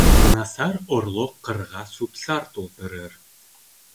Насар орлоҡ ҡырға сүп-сар тултырыр.